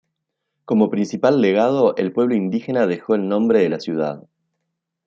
Como principal legado, el pueblo indígena dejó el nombre de la ciudad.